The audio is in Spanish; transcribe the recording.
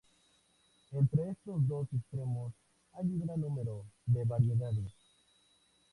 Entre estos dos extremos hay gran número de variedades.